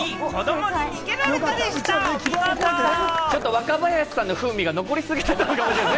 若林さんの風味が残りすぎたのかもしれない。